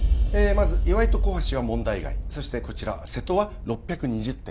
まず岩井と小橋は問題外そしてこちら瀬戸は６２０点